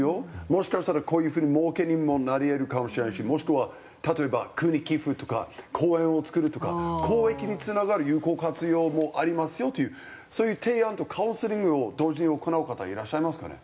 もしかしたらこういう風にもうけにもなり得るかもしれないしもしくは例えば区に寄付とか公園を造るとか公益につながる有効活用もありますよというそういう提案とカウンセリングを同時に行う方いらっしゃいますかね？